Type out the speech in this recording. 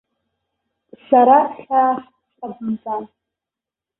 Сара хьаас сҟабымҵан.